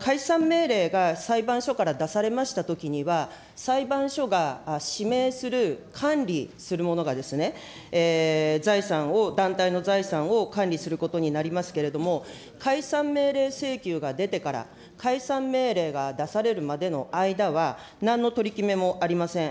解散命令が裁判所から出されましたときには、裁判所が指名する、管理するものがですね、財産を、団体の財産を管理することになりますけれども、解散命令請求が出てから、解散命令が出されるまでの間は、なんの取り決めもありません。